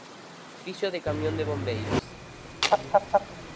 Fixo de camión de bombeiros.